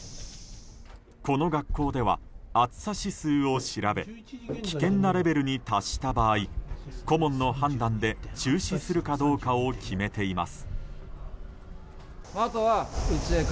この学校では暑さ指数を調べ危険なレベルに達した場合顧問の判断で中止するかどうかを決めています。